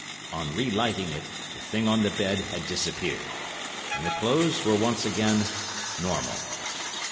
"On re lighting it, the thing on the bed had disappeared, and the clothes were once again normal.